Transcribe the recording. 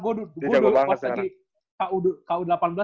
gue udah pas aja